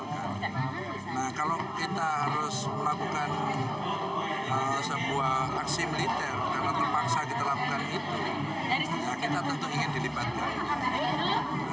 nah kalau kita harus melakukan sebuah aksi militer karena terpaksa kita lakukan itu kita tentu ingin dilibatkan